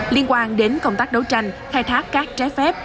liên quan đến công tác đấu tranh khai thác cát trái phép